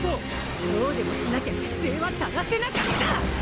そうでもしなきゃ不正は正せなかった！